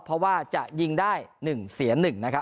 เพราะว่าจะยิงได้๑เสีย๑นะครับ